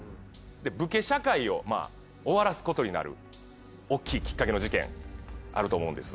武家社会を終わらすことになる大きいきっかけの事件あると思うんです。